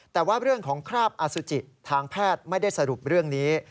แต่ว่าเรื่องของคราบอสุจิทางแพทย์ไม่ได้สรุปเรื่องนี้